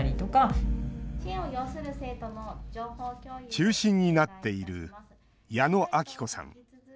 中心になっている矢野明子さん。